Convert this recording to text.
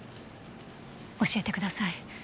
教えてください。